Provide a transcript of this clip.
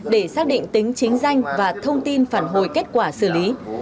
để xác định tính chính danh và thông tin phản hồi kết quả xử lý